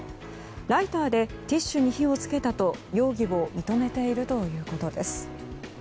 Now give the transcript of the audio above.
ライターでティッシュに火を付けたと容疑を認めているということです。